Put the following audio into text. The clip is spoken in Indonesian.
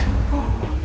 tidak ada apa apa